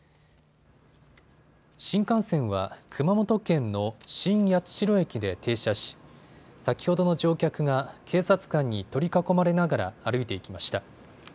新幹線は熊本県の新八代駅で停車し先ほどの乗客が警察官に取り囲まれながら歩いていきました。